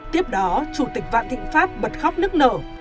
tiếp đó chủ tịch vạn thịnh pháp bật khóc nức nở